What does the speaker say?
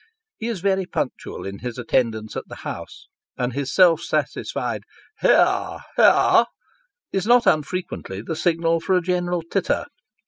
He is very punctual in his attendance at the House, and his self satisfied " He ar He ar," is not unfrequently the signal for a general titter.